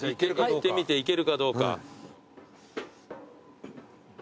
入ってみていけるかどうか。